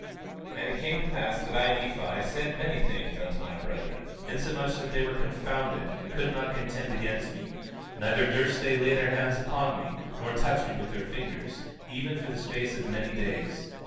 17:52 And it came to pass that I, Nephi, said many things unto my brethren, insomuch that they were confounded and could not contend against me; neither durst they lay their hands upon me nor touch me with their fingers, even for the space of many days.